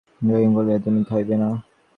রমেশ কহিল, তবে আমিও খাইব না।